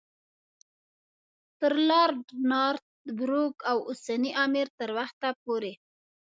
تر لارډ نارت بروک او اوسني امیر تر وخته پورې.